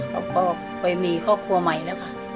เขาก็ไปมีครอบครัวใหม่แล้วค่ะ